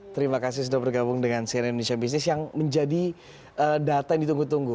terima kasih sudah bergabung dengan cnn indonesia business yang menjadi data yang ditunggu tunggu